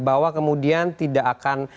bahwa kemudian tidak akan